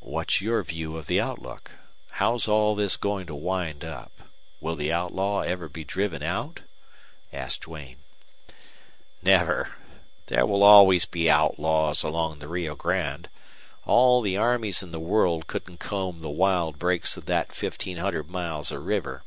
"What's your view of the outlook? How's all this going to wind up? Will the outlaw ever be driven out?" asked Duane. "Never. There will always be outlaws along the Rio Grande. All the armies in the world couldn't comb the wild brakes of that fifteen hundred miles of river.